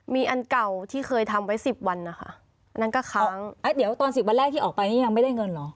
มีอันเก่าที่เคยทำไว้สิบวันนะคะอันนั้นก็ค้างแล้วเดี๋ยวตอนสิบวันแรกที่ออกไปนี่ยังไม่ได้เงินเหรอ